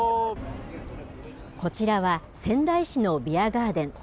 こちらは仙台市のビアガーデン。